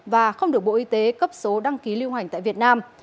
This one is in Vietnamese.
và không được bộ y tế cấp số đăng ký lưu hành tại việt nam